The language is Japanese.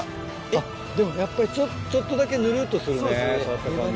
でもやっぱりちょっとだけぬるっとするね触った感じ。